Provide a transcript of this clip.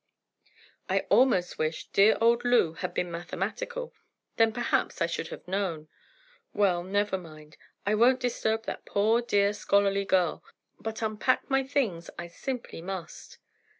I almost wish dear old Lew had been mathematical, then perhaps I should have known. Well, never mind; I won't disturb that poor, dear scholarly girl; but unpack my things I simply must."